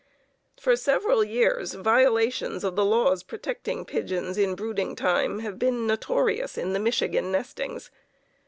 For several years violations of the laws protecting pigeons in brooding time have been notorious in the Michigan nestings.